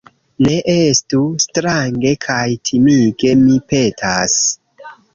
Ne estu strange kaj timige, mi petas